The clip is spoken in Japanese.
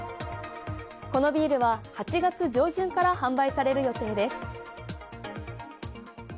このビールは、８月上旬から販売される予定です。